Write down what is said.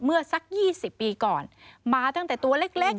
เมื่อสัก๒๐ปีก่อนมาตั้งแต่ตัวเล็กแล้วค่ะ